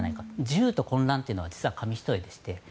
自由と混乱というのは実は紙一重でして。